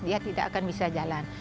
dia tidak akan bisa jalan